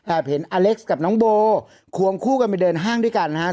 เห็นอเล็กซ์กับน้องโบควงคู่กันไปเดินห้างด้วยกันนะครับ